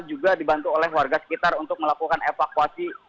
juga dibantu oleh warga sekitar untuk melakukan evakuasi